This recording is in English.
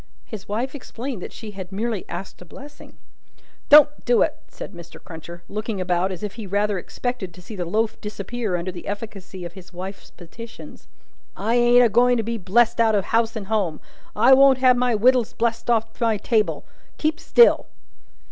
His wife explained that she had merely "asked a blessing." "Don't do it!" said Mr. Crunches looking about, as if he rather expected to see the loaf disappear under the efficacy of his wife's petitions. "I ain't a going to be blest out of house and home. I won't have my wittles blest off my table. Keep still!"